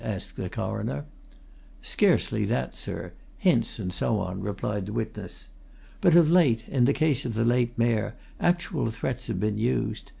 asked the Coroner. "Scarcely that, sir hints, and so on," replied the witness. "But of late, in the case of the late Mayor, actual threats have been used.